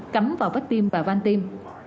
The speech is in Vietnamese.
cắm vào vách tim và van tim